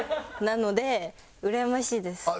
なのでうらやましいです。